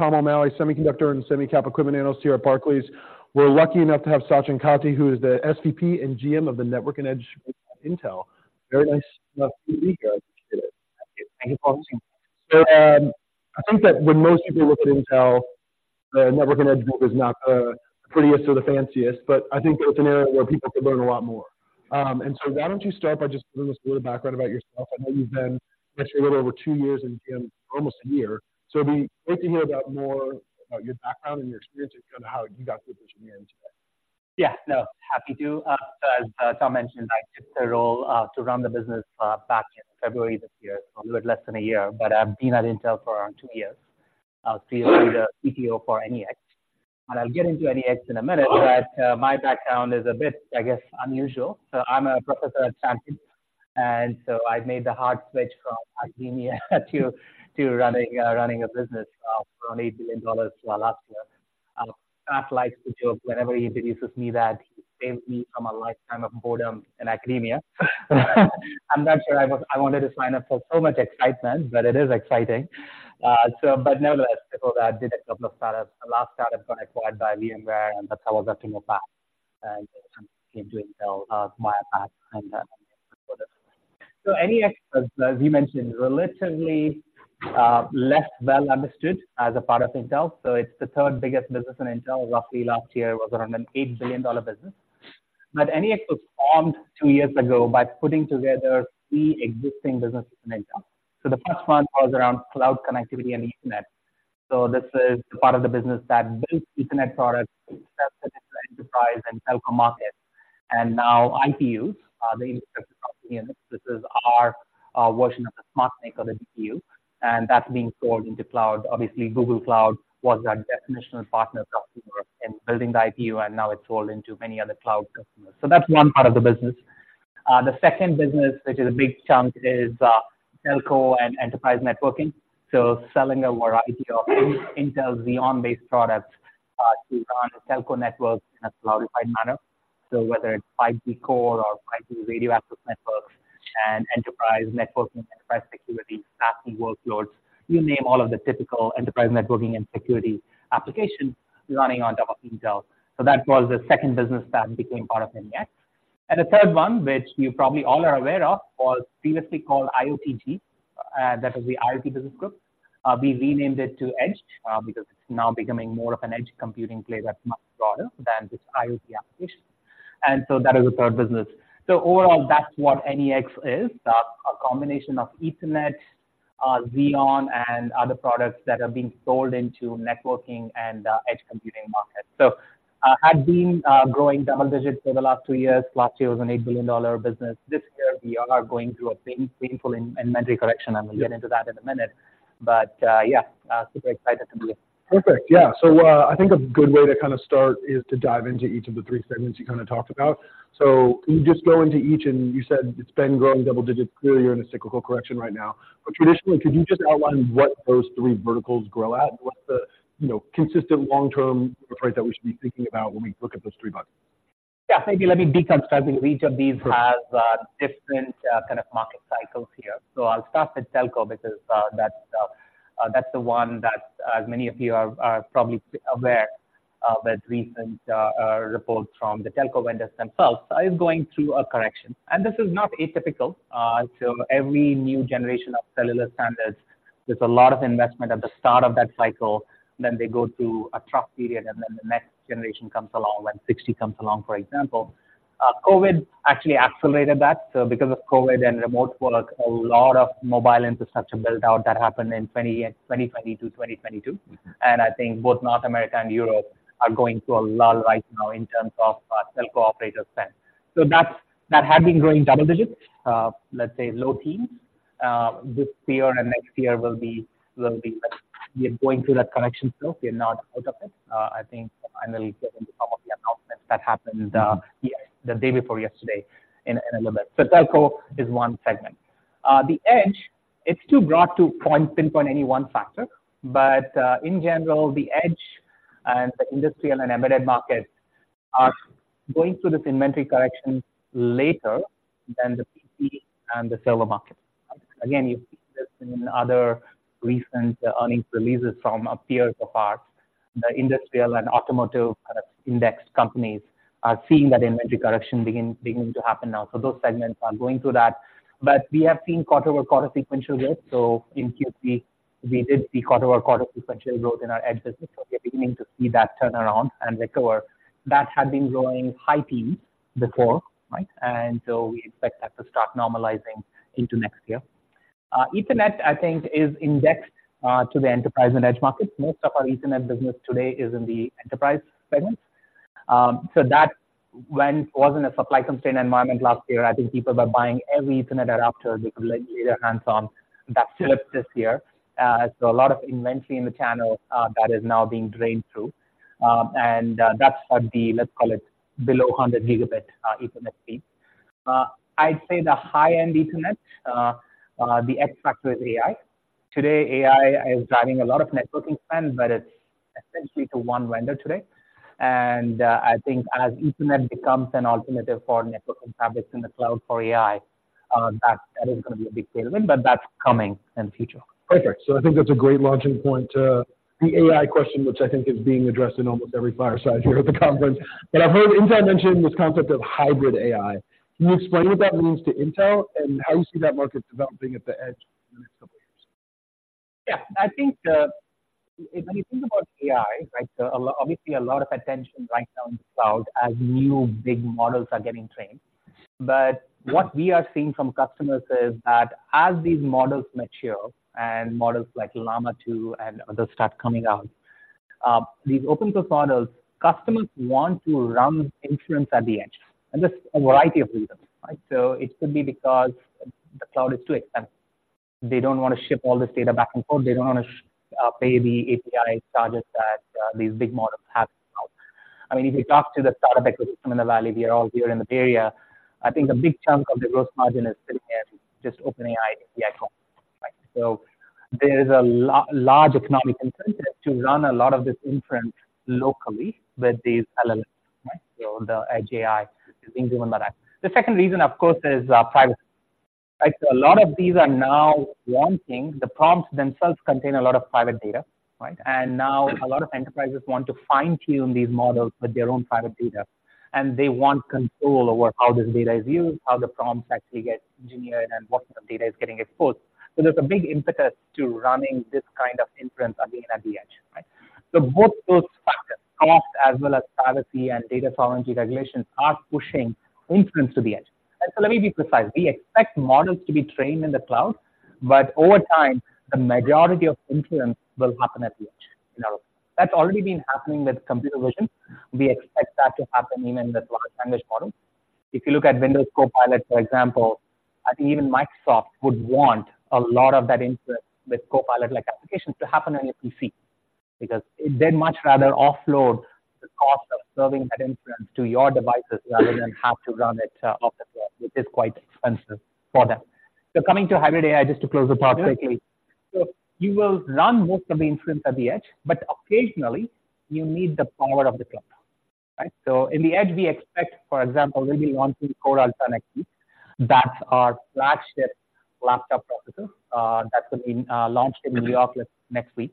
Tom O'Malley, Semiconductor and Semi-Cap Equipment Analyst here at Barclays. We're lucky enough to have Sachin Katti, who is the SVP and GM of the Network and Edge Intel. Very nice to have you here. Thank you for having me. So, I think that when most people look at Intel, the Network and Edge Group is not the prettiest or the fanciest, but I think it's an area where people could learn a lot more. And so why don't you start by just giving us a little background about yourself? I know you've been, actually a little over two years and again, almost a year. So it'd be great to hear about more about your background and your experience, and kind of how you got to the position you're in today. Yeah, no, happy to. As Tom mentioned, I took the role to run the business back in February this year, so a little less than a year, but I've been at Intel for around two years. I'll still be the CTO for NEX. And I'll get into NEX in a minute, but my background is a bit, I guess, unusual. So I'm a professor at Stanford, and so I made the hard switch from academia to running a business around $8 billion last year. Pat likes to joke whenever he introduces me that he saved me from a lifetime of boredom in academia. I'm not sure I wanted to sign up for so much excitement, but it is exciting. So but nevertheless, before that, I did a couple of startups. The last startup got acquired by VMware, and that's how I got to know Pat, and I came to Intel via Pat. So NEX, as you mentioned, is relatively less well understood as a part of Intel. So it's the third biggest business in Intel. Roughly last year, it was around an $8 billion business. But NEX was formed two years ago by putting together three existing businesses in Intel. So the first one was around Cloud connectivity and Ethernet. So this is the part of the business that builds Ethernet products into the enterprise and telco market, and now IPUs, the units. This is our version of the SmartNIC or the DPU, and that's being sold into Cloud. Obviously, Google Cloud was our definitional partner, customer in building the IPU, and now it's sold into many other cloud customers. So that's one part of the business. The second business, which is a big chunk, is telco and enterprise networking. So selling a variety of Intel's Xeon-based products to run telco networks in a cloudified manner. So whether it's 5G Core or 5G Radio Access Networks and enterprise networking, enterprise security, SASE workloads, you name all of the typical enterprise networking and security applications running on top of Intel. So that was the second business that became part of NEX. And the third one, which you probably all are aware of, was previously called IOTG. That was the IoT business group. We renamed it to Edge because it's now becoming more of an Edge computing play that's much broader than just IoT applications, and so that is the third business. So overall, that's what NEX is, a combination of Ethernet, Xeon and other products that are being sold into Networking and Edge computing markets. So, had been growing double digits for the last two years. Last year was an $8 billion business. This year, we are going through a painful inventory correction, and we'll get into that in a minute. But, yeah, super excited to be here. Perfect. Yeah. So, I think a good way to kind of start is to dive into each of the three segments you kind of talked about. So can you just go into each, and you said it's been growing double digits. Clearly, you're in a cyclical correction right now, but traditionally, could you just outline what those three verticals grow at? What's the, you know, consistent long-term growth rate that we should be thinking about when we look at those three buckets? Yeah. Maybe let me deconstruct, because each of these- Sure. has different kind of market cycles here. So I'll start with telco, because that's the one that, as many of you are probably aware, that recent reports from the telco vendors themselves are going through a correction. This is not atypical. So every new generation of cellular standards, there's a lot of investment at the start of that cycle. Then they go through a trough period, and then the next generation comes along, when 5G comes along, for example. COVID-19 actually accelerated that. So because of COVID-19 and remote work, a lot of mobile infrastructure build-out that happened in 2020 to 2022, and I think both North America and Europe are going through a lull right now in terms of telco operator spend. So that's that had been growing double digits, let's say low teens. This year and next year will be, will be... We are going through that correction, so we are not out of it. I think I will get into some of the announcements that happened, yes, the day before yesterday in, in a little bit. So telco is one segment. The Edge, it's too broad to pinpoint any one factor, but, in general, the Edge and the industrial and embedded markets are going through this inventory correction later than the PC and the server market. Again, you see this in other recent earnings releases from our peers of ours. The industrial and automotive kind of index companies are seeing that inventory correction beginning to happen now. So those segments are going through that, but we have seen quarter-over-quarter sequential growth. So in Q3, we did see quarter-over-quarter sequential growth in our Edge business, so we are beginning to see that turn around and recover. That had been growing high teens before, right? And so we expect that to start normalizing into next year. Ethernet, I think, is indexed to the enterprise and Edge markets. Most of our Ethernet business today is in the enterprise segment. So that when it wasn't a supply constraint environment last year, I think people were buying every Ethernet adapter they could lay their hands on. That slipped this year. So a lot of inventory in the channel that is now being drained through. And that's what the, let's call it, below 100 gigabit Ethernet speed. I'd say the high-end Ethernet, the X factor is AI. Today, AI is driving a lot of networking spend, but it's essentially to one vendor today. I think as Ethernet becomes an alternative for network and fabrics in the cloud for AI, that is going to be a big tailwind, but that's coming in the future. Perfect. So I think that's a great launching point to the AI question, which I think is being addressed in almost every fireside here at the conference. But I've heard Intel mention this concept of hybrid AI. Can you explain what that means to Intel, and how you see that market developing at the Edge in the next couple of years? Yeah, I think, when you think about AI, right, so a lot, obviously, a lot of attention right now in the cloud as new big models are getting trained. But what we are seeing from customers is that as these models mature, and models like Llama 2 and others start coming out, these open source models, customers want to run inference at the Edge, and there's a variety of reasons, right? So it could be because the cloud is too expensive. They don't want to ship all this data back and forth. They don't want to, pay the API charges that, these big models have. I mean, if you talk to the startup ecosystem in the valley, we are all here in the Bay Area, I think a big chunk of the gross margin is sitting in just OpenAI, right? So there is a large economic incentive to run a lot of this inference locally with these LLMs, right? So the Edge AI is being driven by that. The second reason, of course, is privacy, right? So a lot of these are now wanting—the prompts themselves contain a lot of private data, right? And now a lot of enterprises want to fine-tune these models with their own private data, and they want control over how this data is used, how the prompts actually get engineered, and what kind of data is getting exposed. So there's a big impetus to running this kind of inference again at the Edge, right? So both those factors, cost, as well as privacy and data sovereignty regulations, are pushing inference to the Edge. And so let me be precise. We expect models to be trained in the cloud, but over time, the majority of inference will happen at the Edge. You know, that's already been happening with computer vision. We expect that to happen even in the large language model. If you look at Windows Copilot, for example, I think even Microsoft would want a lot of that inference with Copilot-like applications to happen on your PC, because they'd much rather offload the cost of serving that inference to your devices rather than have to run it off the floor, which is quite expensive for them. So coming to hybrid AI, just to close the part quickly. So you will run most of the inference at the Edge, but occasionally, you need the power of the cloud, right? So in the Edge, we expect, for example, we'll be launching Core Ultra next week. That's our flagship laptop processor, that's going to be launched in New York next week.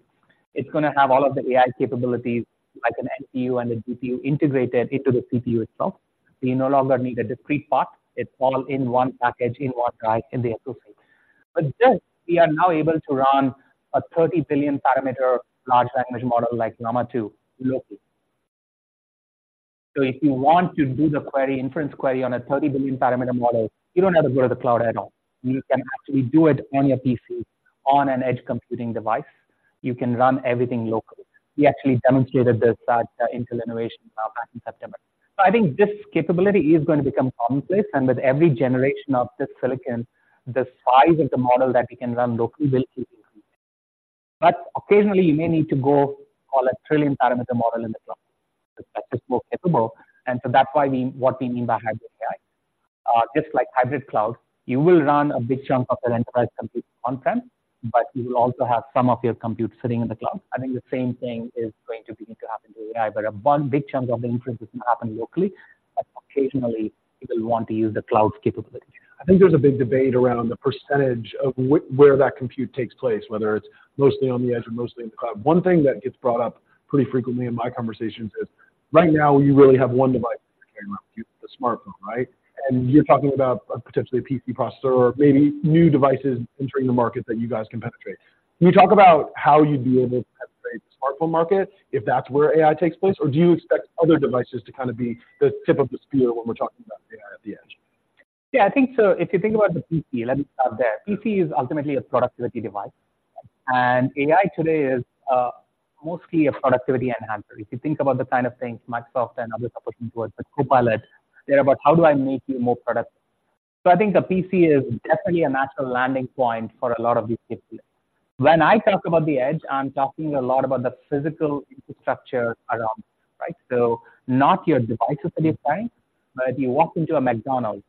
It's going to have all of the AI capabilities like an NPU and a GPU integrated into the CPU itself. So you no longer need a discrete part. It's all in one package, in one die, in the SoC. But this, we are now able to run a 30 billion parameter large language model like Llama 2 locally. So if you want to do the query, inference query on a 30 billion parameter model, you don't have to go to the cloud at all. You can actually do it on your PC, on an Edge computing device. You can run everything locally. We actually demonstrated this at Intel Innovation back in September. So I think this capability is going to become commonplace, and with every generation of this silicon, the size of the model that we can run locally will keep increasing. But occasionally, you may need to go call a 1 trillion-parameter model in the cloud. That's just more capable, and so that's why we—what we mean by hybrid AI. Just like hybrid cloud, you will run a big chunk of your enterprise compute on-prem, but you will also have some of your compute sitting in the cloud. I think the same thing is going to begin to happen to AI, where a big chunk of the inference is going to happen locally, but occasionally, people want to use the cloud capability. I think there's a big debate around the percentage of where that compute takes place, whether it's mostly on the Edge or mostly in the cloud. One thing that gets brought up pretty frequently in my conversations is, right now, you really have one device, the smartphone, right? You're talking about potentially a PC processor or maybe new devices entering the market that you guys can penetrate. Can you talk about how you'd be able to penetrate the smartphone market, if that's where AI takes place? Or do you expect other devices to kind of be the tip of the spear when we're talking about AI at the Edge? Yeah, I think so. If you think about the PC, let me start there. PC is ultimately a productivity device, and AI today is mostly a productivity enhancer. If you think about the kind of things Microsoft and others are pushing towards, with Copilot, they're about: How do I make you more productive? So I think the PC is definitely a natural landing point for a lot of these cases. When I talk about the Edge, I'm talking a lot about the physical infrastructure around it, right? So not your devices at this time, but you walk into a McDonald's,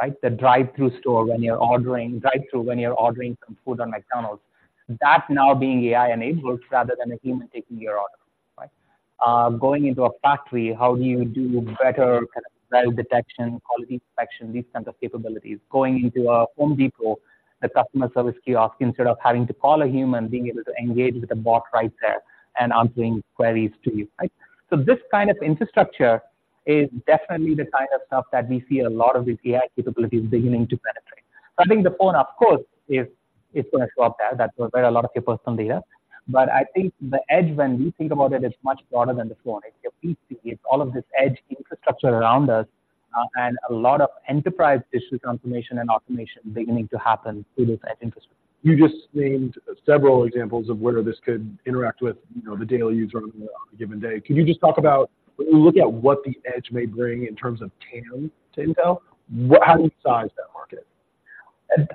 right, the drive-thru store, when you're ordering, drive-thru, when you're ordering some food on McDonald's, that's now being AI-enabled rather than a human taking your order, right? Going into a factory, how do you do better kind of well detection, quality detection, these kinds of capabilities? Going into a Home Depot, the customer service kiosk, instead of having to call a human, being able to engage with a bot right there and answering queries to you, right? So this kind of infrastructure is definitely the kind of stuff that we see a lot of these AI capabilities beginning to penetrate. I think the phone, of course, is going to show up there. That's where a lot of your personal data. But I think the Edge, when we think about it, is much broader than the phone. It's your PC, it's all of this Edge infrastructure around us, and a lot of enterprise digital transformation and automation beginning to happen through this Edge infrastructure. You just named several examples of where this could interact with, you know, the daily user on a given day. Can you just talk about, when you look at what the Edge may bring in terms of TAM to Intel, what, how do you size that market?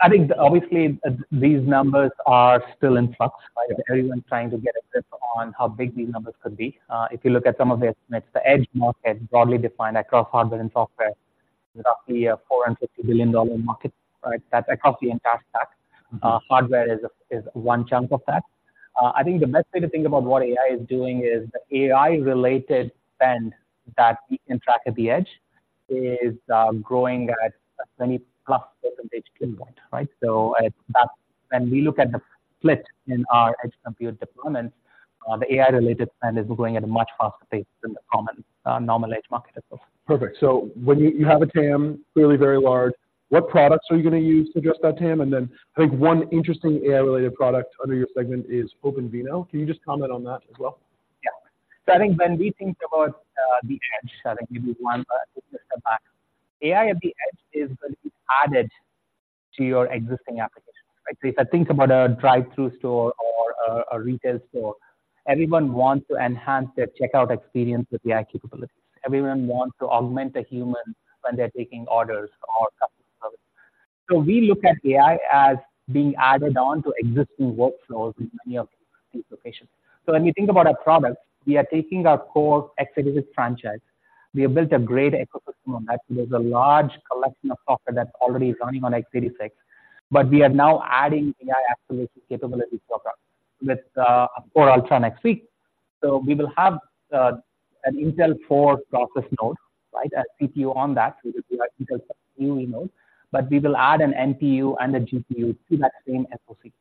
I think obviously, these numbers are still in flux, right? Everyone's trying to get a grip on how big these numbers could be. If you look at some of the estimates, the Edge market, broadly defined across hardware and software, roughly a $450 billion market, right? That's across the entire stack. Hardware is one chunk of that. I think the best way to think about what AI is doing is the AI-related spend that we can track at the Edge is growing at a 20-plus percentage point, right? So at that, when we look at the split in our Edge compute deployment, the AI-related spend is growing at a much faster pace than the common, normal Edge market as well. Perfect. So when you, you have a TAM, clearly very large, what products are you going to use to address that TAM? And then I think one interesting AI-related product under your segment is OpenVINO. Can you just comment on that as well? Yeah. So I think when we think about the Edge, so like AI at the Edge is added to your existing applications, right? So if I think about a drive-thru store or a retail store, everyone wants to enhance their checkout experience with AI capabilities. Everyone wants to augment a human when they're taking orders or customers. So we look at AI as being added on to existing workflows in many of these locations. So when we think about our products, we are taking our core x86 franchise. We have built a great ecosystem on that. There's a large collection of software that already is running on x86, but we are now adding AI acceleration capabilities to our product with Core Ultra next week. So we will have an Intel 4 process node, right? A CPU on that, which will be our new node, but we will add an NPU and a GPU to that same SoC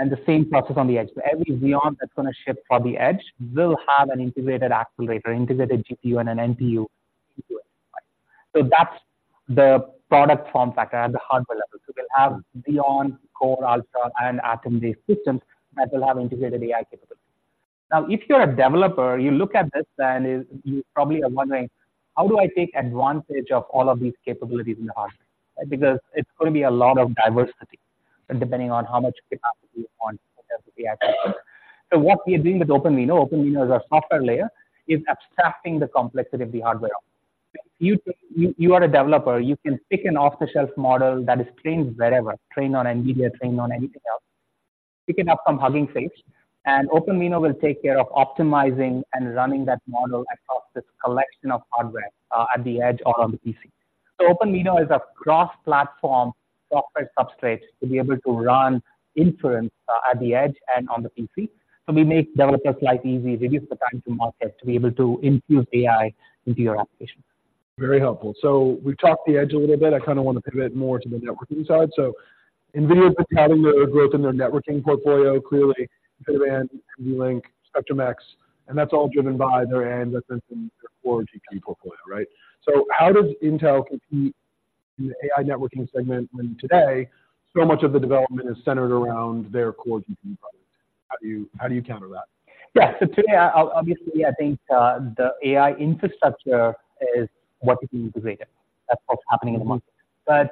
and the same process on the Edge. So every Xeon that's going to ship for the Edge will have an integrated accelerator, integrated GPU, and an NPU into it. So that's the product form factor at the hardware level. So we'll have Xeon Core Ultra and Atom-based systems that will have integrated AI capabilities. Now, if you're a developer, you look at this and you probably are wondering, how do I take advantage of all of these capabilities in the hardware? Because it's going to be a lot of diversity, depending on how much capacity you want to have with the AI. So what we are doing with OpenVINO, OpenVINO is our software layer, is abstracting the complexity of the hardware. You are a developer. You can pick an off-the-shelf model that is trained wherever, trained on NVIDIA, trained on anything else. Pick it up from Hugging Face, and OpenVINO will take care of optimizing and running that model across this collection of hardware, at the Edge or on the PC. So OpenVINO is a cross-platform software substrate to be able to run inference, at the Edge and on the PC. So we make developers' life easy, reduce the time to market to be able to infuse AI into your application. Very helpful. So we've talked the Edge a little bit. I kind of want to pivot more to the networking side. So NVIDIA's been having a lot of growth in their networking portfolio, clearly, InfiniBand, NVLink, Spectrum-X, and that's all driven by their AI center and their core GPU portfolio, right? So how does Intel compete in the AI networking segment when today, so much of the development is centered around their core GPU products? How do you, how do you counter that? Yeah. So today, obviously, I think, the AI infrastructure is what is being integrated. That's what's happening in the market. But,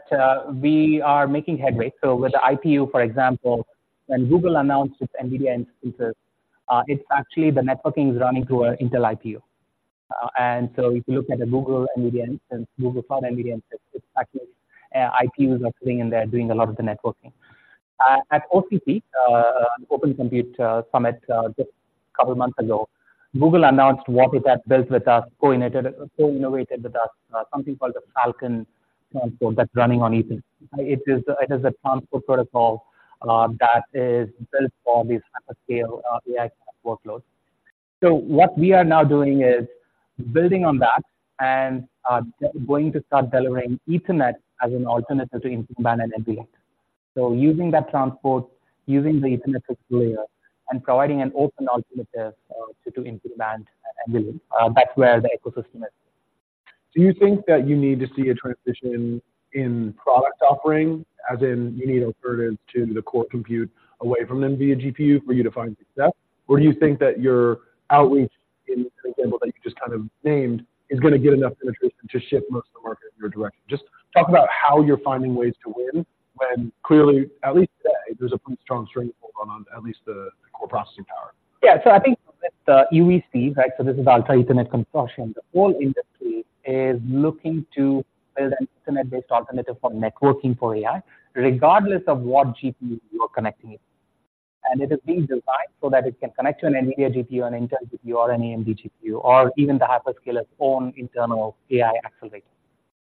we are making headway. So with the IPU, for example, when Google announced its NVIDIA instances, it's actually the networking is running through an Intel IPU. And so if you look at the Google NVIDIA instance, Google Cloud NVIDIA instance, it's actually, IPUs are sitting in there doing a lot of the networking. At OCP, Open Compute Summit, just a couple of months ago, Google announced what it had built with us, co-innovated, co-innovated with us, something called the Falcon transport that's running on Ethernet. It is, it is a transport protocol, that is built for these hyperscale, AI workloads. So what we are now doing is building on that and going to start delivering Ethernet as an alternative to InfiniBand and NVLink. So using that transport, using the Ethernet layer, and providing an open alternative to do InfiniBand and NVLink, that's where the ecosystem is. Do you think that you need to see a transition in product offering, as in you need alternatives to the core compute away from an NVIDIA GPU for you to find success? Or do you think that your outreach in the example that you just kind of named is going to get enough penetration to shift most of the market in your direction? Just talk about how you're finding ways to win when clearly, at least today, there's a pretty strong stranglehold on at least the core processing power. Yeah. So I think with the UEC, right? So this is Ultra Ethernet Consortium. The whole industry is looking to build an Ethernet-based alternative for networking for AI, regardless of what GPU you are connecting it to. And it has been designed so that it can connect to an NVIDIA GPU, an Intel GPU, or an AMD GPU, or even the Hyperscaler's own internal AI accelerator.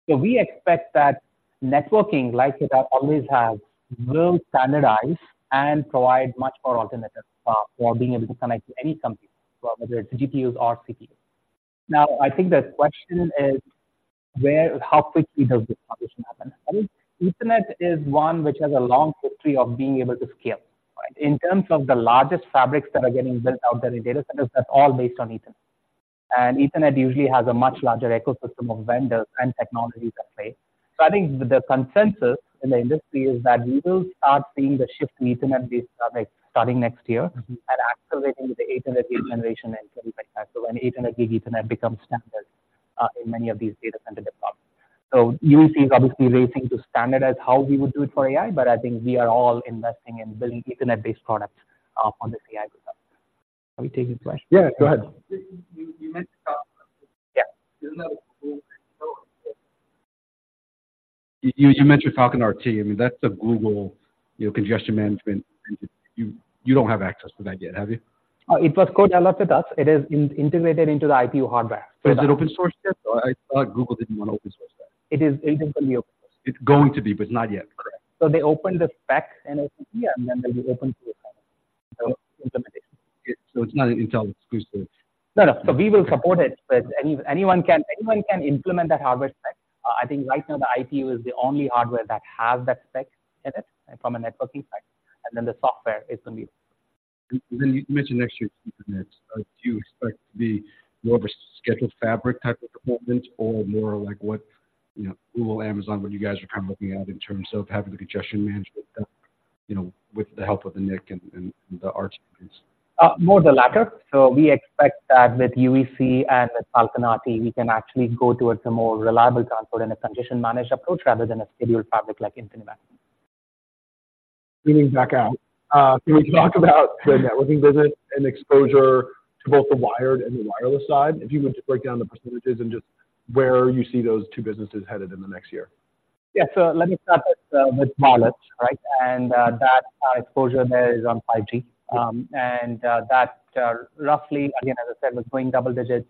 So we expect that networking, like it always has, will standardize and provide much more alternatives for, for being able to connect to any compute, whether it's GPUs or CPUs. Now, I think the question is where, how quickly does this transition happen? I think Ethernet is one which has a long history of being able to scale, right? In terms of the largest fabrics that are getting built out there in data centers, that's all based on Ethernet. Ethernet usually has a much larger ecosystem of vendors and technologies at play. I think the consensus in the industry is that we will start seeing the shift to Ethernet-based fabrics starting next year and accelerating with the 800 gig generation in 2025. When 800 gig Ethernet becomes standard in many of these data center deployments. UEC is obviously racing to standardize how we would do it for AI, but I think we are all investing in building Ethernet-based products on this AI platform. Are we taking questions? Yeah, go ahead. You mentioned Falcon RT. I mean, that's a Google, you know, congestion management. You don't have access to that yet, have you? It was co-developed with us. It is integrated into the IPU hardware. So is it open source yet? I thought Google didn't want to open source that. It is infinitely open source. It's going to be, but it's not yet. Correct. So they open the specs and OCP, and then they'll be open to implementation. It's not an Intel exclusive? No, no. So we will support it, but anyone can, anyone can implement that hardware spec. I think right now, the IPU is the only hardware that has that spec in it from a networking perspective, and then the software is going to be. Then you mentioned next year's Internet. Do you expect the more of a scheduled fabric type of deployment or more like what, you know, Google, Amazon, what you guys are kind of looking at in terms of having the congestion management, you know, with the help of the NIC and, and the RT piece? More the latter. So we expect that with UEC and with Falcon API, we can actually go towards a more reliable transport and a congestion managed approach rather than a scheduled fabric like InfiniBand. Zooming back out, can we talk about the networking business and exposure to both the wired and the wireless side? If you were to break down the percentages and just where you see those two businesses headed in the next year? Yeah. So let me start with wireless, right? And that exposure there is on 5G. And that roughly, again, as I said, was going double digits,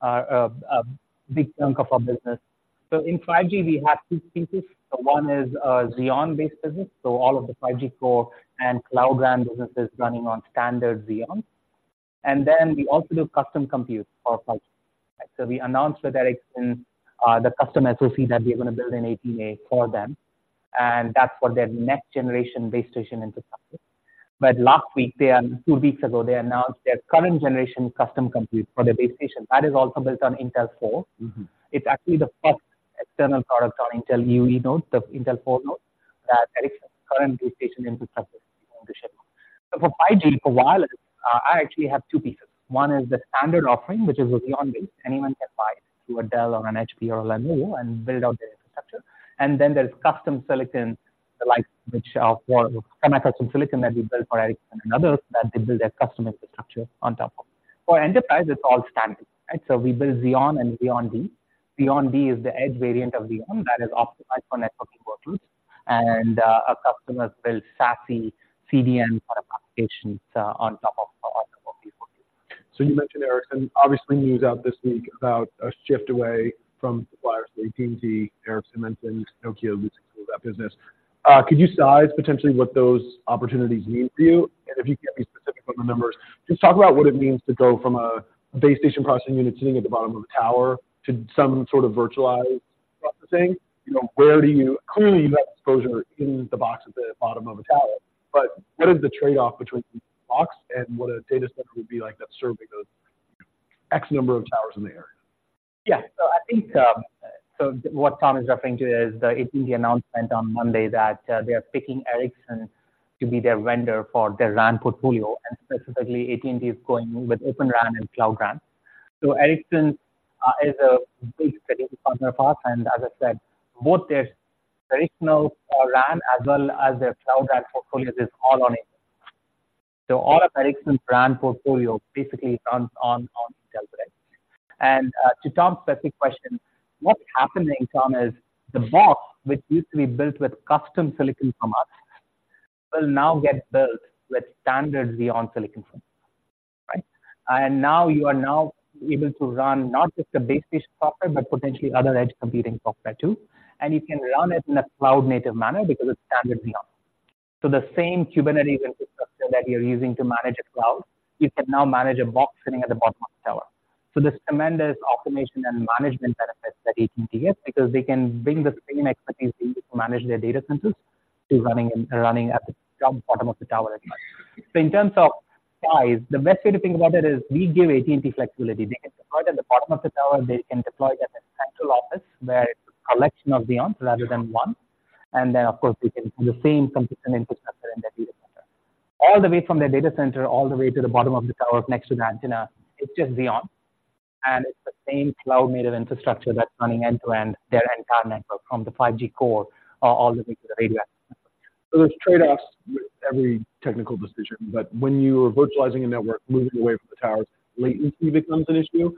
a big chunk of our business. So in 5G, we have two pieces. So one is Xeon-based business, so all of the 5G Core and Cloud RAN business is running on standard Xeon. And then we also do custom compute for 5G. So we announced with Ericsson the custom SoC that we are going to build an APM for them, and that's for their next generation base station infrastructure. But last week, two weeks ago, they announced their current generation custom compute for their base station. That is also built on Intel Core. Mm-hmm. It's actually the first external product on Intel EUV node, the Intel 4 node, that Ericsson's current base station infrastructure ownership. So for 5G, for wireless, I actually have two pieces. One is the standard offering, which is Xeon-based. Anyone can buy through a Dell or an HP or a Lenovo and build out their infrastructure. And then there's custom silicon, the likes which are for custom silicon that we built for Ericsson and others, that they build their custom infrastructure on top of. For enterprise, it's all standard, right? So we build Xeon and Xeon D. Xeon D is the Edge variant of Xeon that is optimized for networking workloads, and, our customers build SASE CDN sort of applications, on top of, on top of Xeon. So you mentioned Ericsson. Obviously, news out this week about a shift away from suppliers to AT&T, Ericsson mentioned Nokia losing some of that business. Could you size potentially what those opportunities mean for you? And if you can't be specific on the numbers, just talk about what it means to go from a base station processing unit sitting at the bottom of a tower to some sort of virtualized processing. You know, where do you—clearly, you've got exposure in the box at the bottom of a tower, but what is the trade-off between the box and what a data center would be like that's serving those X number of towers in the area? Yeah. So I think, so what Tom is referring to is the AT&T announcement on Monday that, they are picking Ericsson to be their vendor for their RAN portfolio, and specifically, AT&T is going with Open RAN and Cloud RAN. So Ericsson is a big strategic partner of ours, and as I said, both their traditional RAN as well as their Cloud RAN portfolios is all on it. So all of Ericsson RAN portfolio basically runs on Intel right. And to Tom's specific question, what's happening, Tom, is the box, which used to be built with custom silicon from us, will now get built with standard Xeon silicon, right? And now you are able to run not just the base station software, but potentially other Edge computing software, too. And you can run it in a cloud-native manner because it's standard Xeon. So the same Kubernetes infrastructure that you're using to manage a cloud, you can now manage a box sitting at the bottom of the tower. So there's tremendous automation and management benefits that AT&T gets because they can bring the same expertise they use to manage their data centers to running at the bottom of the tower as well. So in terms of size, the best way to think about it is we give AT&T flexibility. They can deploy it at the bottom of the tower, they can deploy it at the central office, where it's a collection of Xeons rather than one. And then, of course, we can do the same computation infrastructure in their data center. All the way from their data center, all the way to the bottom of the tower next to the antenna, it's just Xeon, and it's the same cloud-native infrastructure that's running end-to-end, their entire network, from the 5G Core, all the way to the radio access. So there's trade-offs with every technical decision, but when you are virtualizing a network, moving away from the towers, latency becomes an issue.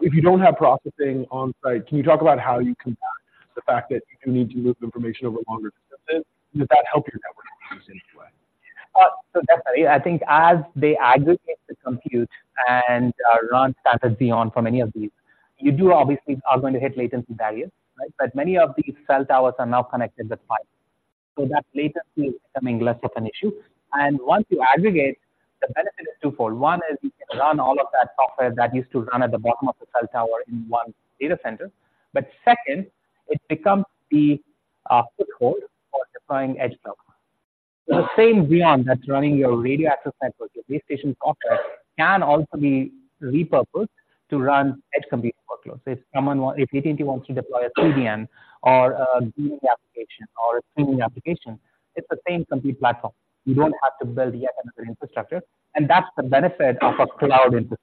If you don't have processing on-site, can you talk about how you combat the fact that you need to move information over longer distances? Does that help your network in any way? So definitely. I think as they aggregate the compute and run standard Xeon for many of these, you do obviously are going to hit latency barriers, right? But many of these cell towers are now connected with fiber, so that latency is becoming less of an issue. And once you aggregate, the benefit is twofold. One is you can run all of that software that used to run at the bottom of the cell tower in one data center. But second, it becomes the foothold for deploying Edge cloud. The same Xeon that's running your radio access network, your base station software, can also be repurposed to run Edge compute workloads. So if AT&T wants to deploy a CDN or a gaming application or a streaming application, it's the same compute platform. You don't have to build yet another infrastructure, and that's the benefit of a cloud infrastructure,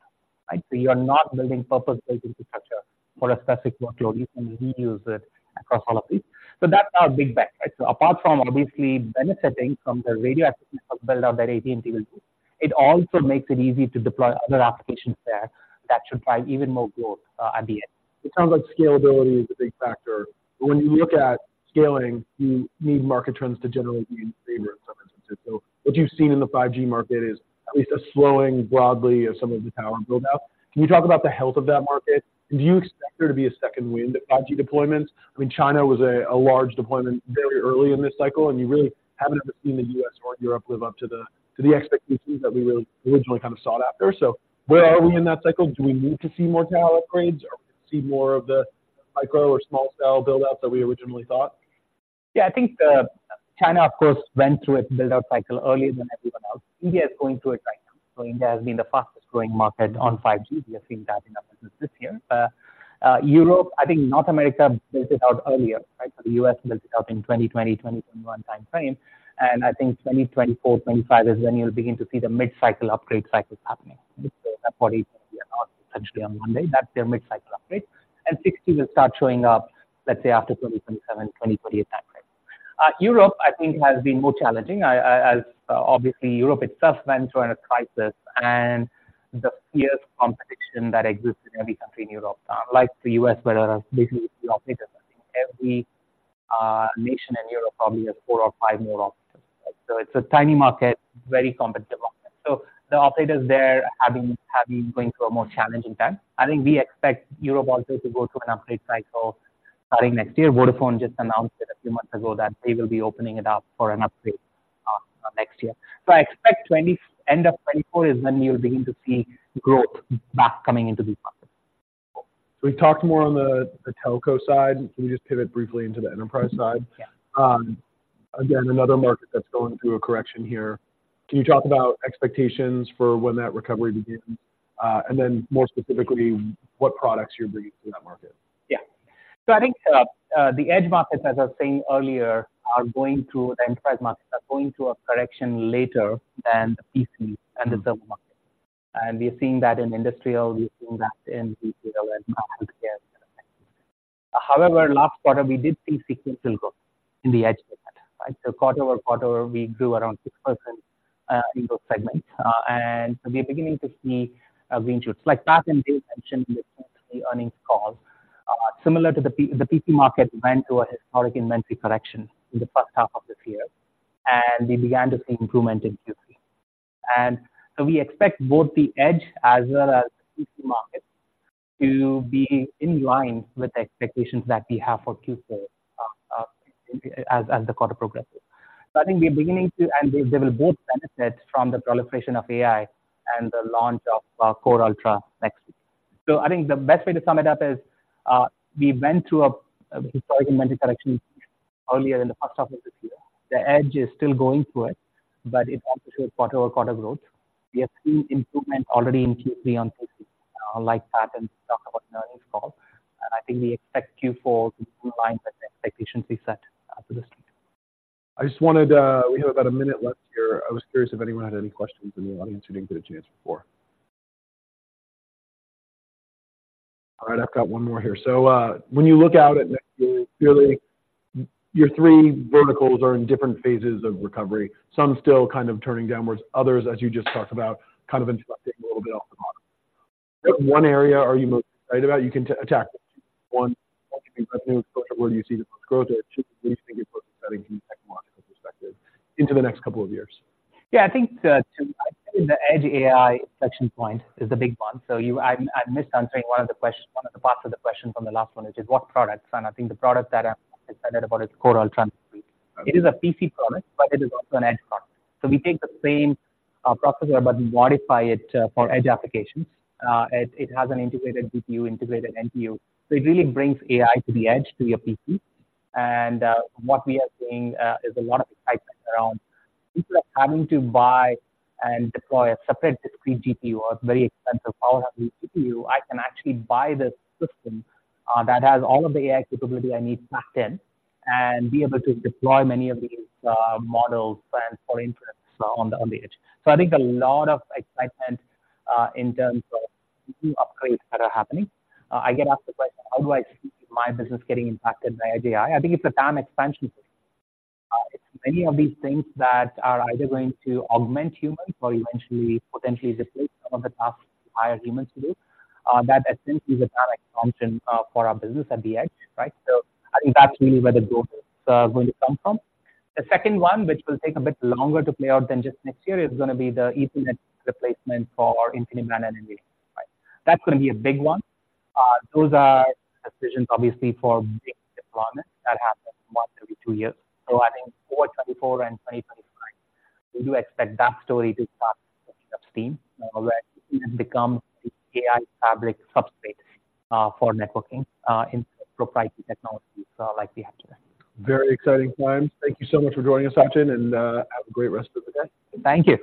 right? So you're not building purpose-built infrastructure for a specific workload, you can reuse it across all of these. So that's our big bet, right? So apart from obviously benefiting from the radio access build out that AT&T will do, it also makes it easy to deploy other applications there that should drive even more growth at the end. It sounds like scalability is a big factor, but when you look at scaling, you need market trends to generally be in favor in some instances. So what you've seen in the 5G market is at least a slowing broadly of some of the tower build out. Can you talk about the health of that market? Do you expect there to be a second wind of 5G deployments? I mean, China was a large deployment very early in this cycle, and you really haven't ever seen the U.S. or Europe live up to the expectations that we really originally kind of sought after. So where are we in that cycle? Do we need to see more tower upgrades, or see more of the micro or small cell build outs that we originally thought? Yeah, I think the China, of course, went through a build-out cycle earlier than everyone else. India is going through it right now. So India has been the fastest growing market on 5G. We have seen that in our business this year. Europe—I think North America built it out earlier, right? So the U.S. built it out in 2020, 2021 time frame, and I think 2024, 2025 is when you'll begin to see the mid-cycle upgrade cycles happening. For example, actually on Monday, that's their mid-cycle upgrade, and 6G will start showing up, let's say, after 2027, 2028 time frame. Europe, I think, has been more challenging. I, as obviously Europe itself went through a crisis and the fierce competition that exists in every country in Europe, like the U.S., where there are basically three operators. I think every nation in Europe probably has four or five more operators, right? So it's a tiny market, very competitive market. So the operators there have been, have been going through a more challenging time. I think we expect Europe also to go through an upgrade cycle starting next year. Vodafone just announced it a few months ago that they will be opening it up for an upgrade, next year. So I expect 20—end of 2024 is when you'll begin to see growth back coming into these markets. So we've talked more on the telco side. Can we just pivot briefly into the enterprise side? Yeah. Again, another market that's going through a correction here. Can you talk about expectations for when that recovery begins? And then more specifically, what products you're bringing to that market? Yeah. So I think, the Edge markets, as I was saying earlier, are going through the enterprise markets, are going through a correction later than the PC and the server market. And we are seeing that in industrial, we are seeing that in healthcare. However, last quarter, we did see sequential growth in the Edge market, right? So quarter-over-quarter, we grew around 6%, in those segments. And so we are beginning to see green shoots like Pat and Bill mentioned in the earnings call. Similar to the PC market went through a historic inventory correction in the first half of this year, and we began to see improvement in Q3. We expect both the Edge as well as PC markets to be in line with the expectations that we have for Q4, as the quarter progresses. So I think we're beginning to – and they, they will both benefit from the proliferation of AI and the launch of Core Ultra next week. So I think the best way to sum it up is, we went through a historic inventory correction earlier in the first half of this year. The Edge is still going through it, but it wants to show quarter-over-quarter growth. We have seen improvement already in Q3 on PC, like Pat talked about in the earnings call, and I think we expect Q4 to be in line with the expectations we set for this quarter. I just wanted, we have about a minute left here. I was curious if anyone had any questions in the audience who didn't get a chance before. All right, I've got one more here. So, when you look out at next year, clearly, your three verticals are in different phases of recovery. Some still kind of turning downwards, others, as you just talked about, kind of inflecting a little bit off the bottom. What one area are you most excited about? You can attack one where you see the most growth or two, where you think you're most exciting from a technological perspective into the next couple of years. Yeah, I think the Edge AI inflection point is the big one. So you—I missed answering one of the questions, one of the parts of the question from the last one, which is what products? And I think the product that I'm excited about is Core Ultra. It is a PC product, but it is also an Edge product. So we take the same processor, but modify it for Edge applications. It has an integrated GPU, integrated NPU, so it really brings AI to the Edge, to your PC. What we are seeing is a lot of excitement around instead of having to buy and deploy a separate discrete GPU or very expensive power NPU, I can actually buy this system that has all of the AI capability I need packed in and be able to deploy many of these models and for inference on the Edge. So I think a lot of excitement in terms of new upgrades that are happening. I get asked the question: How do I see my business getting impacted by Edge AI? I think it's a TAM expansion. Many of these things that are either going to augment humans or eventually potentially replace some of the tasks I or humans do, that essentially is a TAM expansion for our business at the Edge, right? So I think that's really where the growth is, going to come from. The second one, which will take a bit longer to play out than just next year, is gonna be the Ethernet replacement for InfiniBand, right? That's gonna be a big one. Those are decisions obviously, for big deployment that happens once every two years. So I think for 2024 and 2025, we do expect that story to start picking up steam, where it becomes the AI fabric substrate, for networking, in proprietary technologies, like we have today. Very exciting times. Thank you so much for joining us, Sachin, and have a great rest of the day. Thank you.